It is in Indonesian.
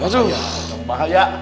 ya terlalu bahaya